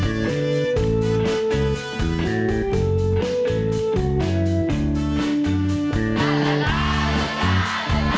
จังสุดจังลูกจังคนทางดาย